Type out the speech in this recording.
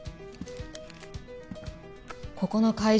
ここの会場